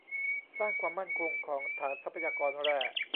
สร้างความมั่นคงของฐานทรัพยากรแร่